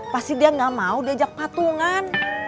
pasti dia gak mau diajak patungan